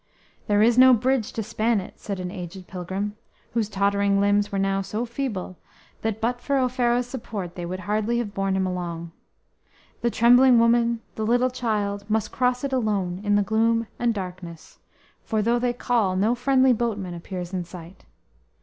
"There is no bridge to span it," said an aged pilgrim, whose tottering limbs were now so feeble that but for Offero's support they would hardly have borne him along. "The trembling woman, the little child, must cross it alone in the gloom and darkness, for though they call, no friendly boatman appears in sight.